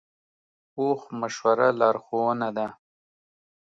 پوخ مشوره لارښوونه ده